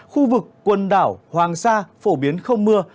khu vực quần đảo hoàng sa phổ biến không mưa